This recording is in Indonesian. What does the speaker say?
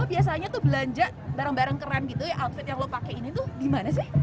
lo biasanya tuh belanja barang barang keren gitu ya outfit yang lo pakein itu gimana sih